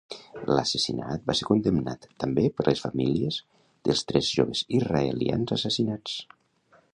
L'assassinat va ser condemnat també per les famílies dels tres joves israelians assassinats.